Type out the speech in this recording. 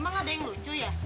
emang ada yang lucu ya